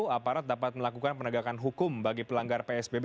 aparat dapat melakukan penegakan hukum bagi pelanggar psbb